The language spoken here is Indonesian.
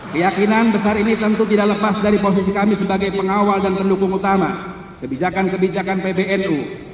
keyakinan besar ini tentu tidak lepas dari posisi kami sebagai pengawal dan pendukung utama kebijakan kebijakan pbnu